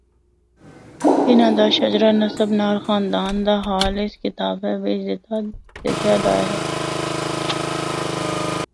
ان دا شجرہ نسب نال خاندان دا حال اس کتابا بچ دیتیا دا ہے۔